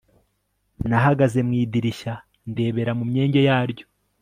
nahagaze mu idirishya, ndebera mu myenge yaryo